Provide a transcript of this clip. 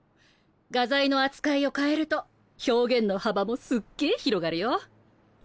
画材の扱いを変えると表現の幅もすっげぇ広がるよ。